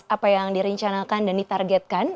apa yang direncanakan dan ditargetkan